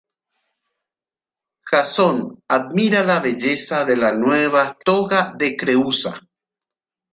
Jasón admira la belleza de la nueva toga de Creúsa.